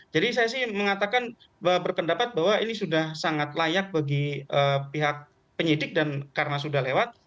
jadi saya sih mengatakan berpendapat bahwa ini sudah sangat layak bagi pihak penyidik dan karena sudah lewat